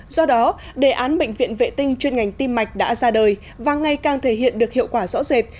do đó đề án bệnh viện vệ tinh chuyên ngành tim mạch đã ra đời và ngày càng thể hiện được hiệu quả rõ rệt